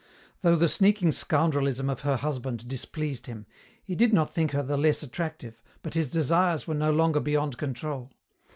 Though the sneaking scoundrelism of her husband displeased him, he did not think her the less attractive, but his desires were no longer beyond control.